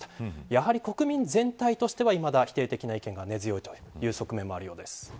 やはり国民全体としてはいまだ否定的な意見が根強いという側面もあるようです。